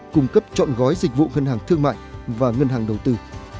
cung cấp chọn gói dịch vụ ngân hàng thương mại và ngân hàng đầu tư